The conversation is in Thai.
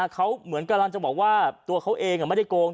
เขาเหมือนกำลังจะบอกว่าตัวเขาเองไม่ได้โกง